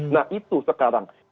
nah itu sekarang